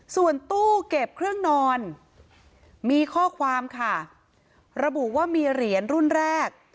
ส่วนตู้เก็บเครื่องนอนมีข้อความค่ะระบุว่ามีเหรียญรุ่นแรก